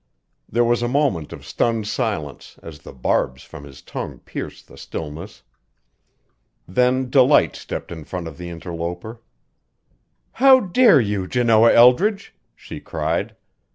There was a moment of stunned silence, as the barbs from his tongue pierced the stillness. Then Delight stepped in front of the interloper. "How dare you, Janoah Eldridge!" she cried.